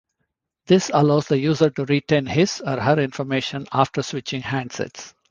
This allows the user to retain his or her information after switching handsets.